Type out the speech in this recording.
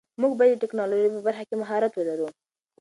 موږ باید د ټیکنالوژۍ په برخه کې مهارت ولرو.